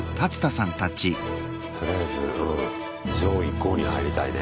とりあえずうん上位５に入りたいね。